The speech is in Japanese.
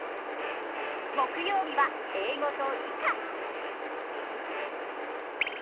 木曜日は英語と理科。